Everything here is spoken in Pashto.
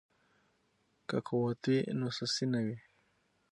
که قوت وي نو سستي نه وي.